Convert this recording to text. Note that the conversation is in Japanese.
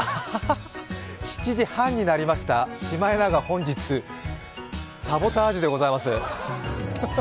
７時半になりました、シマエナガ、本日サボタージュでございます。